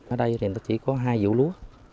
ở đây thì nó chỉ có hai vụ lúa